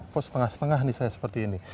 kok setengah setengah nih saya seperti ini